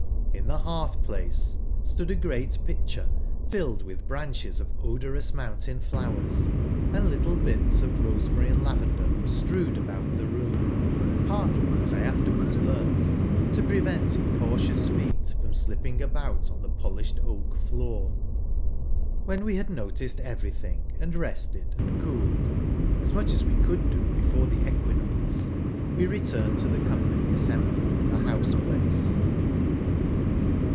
In the heai'th place, stood a great pitcher filled with branches of odorous mountain flowers ; and little bits of rosemary and lavender were strewed about the room ; partly, as I afterwards learnt, to prevent incautious feet from slipping about on the polished oak floor. When we had noticed everything, and rested, and cooled (as much as we could do before the equinox), we returned to the company assembled, in the house place.